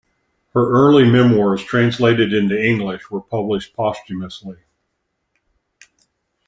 Her "Early Memoirs", translated into English, was published posthumously.